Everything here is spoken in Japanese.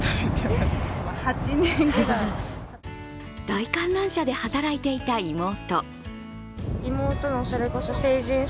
大観覧車で働いていた妹。